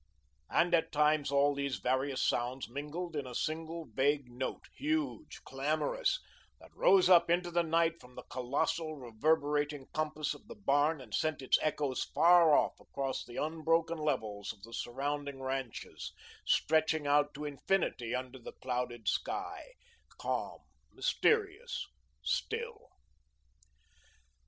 And at times all these various sounds mingled in a single vague note, huge, clamorous, that rose up into the night from the colossal, reverberating compass of the barn and sent its echoes far off across the unbroken levels of the surrounding ranches, stretching out to infinity under the clouded sky, calm, mysterious, still.